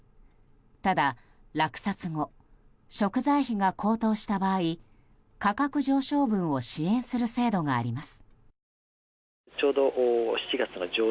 ただ、落札後食材費が高騰した場合価格上昇分を支援する制度があります。